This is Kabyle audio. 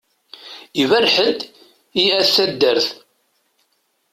Iberreḥ-d i At taddart.